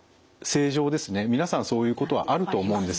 皆さんそういうことはあると思います。